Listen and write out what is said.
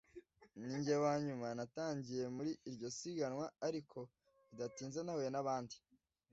Ninjye wanyuma natangiye muri iryo siganwa ariko bidatinze nahuye nabandi